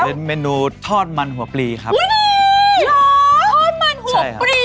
เป็นเมนูทอดมันหัวปลีครับทอดมันหัวปลี